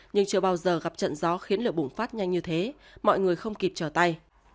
nhưng chưa bao giờ gặp trận gió khiến lửa bùng phát nhanh như thế mọi người không kịp trở tay